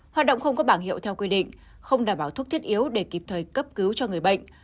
hoạt động không có bảng hiệu theo quy định không đảm bảo thuốc thiết yếu để kịp thời cấp cứu cho người bệnh